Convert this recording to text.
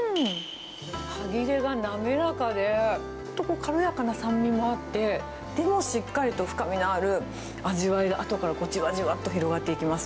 歯切れが滑らかで、軽やかな酸味もあって、でもしっかりと深みのある味わいで、あとからじわじわって広がっていきます。